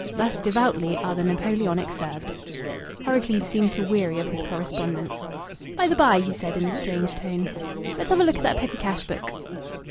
Thus devoutly are the Napoleonic served! Horrocleave seemed to weary of his correspondence. "By the by," he said in a strange tone, "let's have a look at that petty cash book."